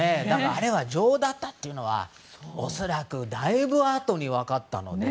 あれが女王だったというのは恐らくだいぶあとに分かったので。